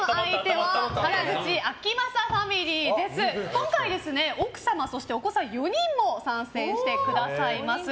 今回、奥様そしてお子さん４人も参戦してくださいます。